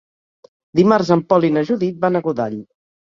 Dimarts en Pol i na Judit van a Godall.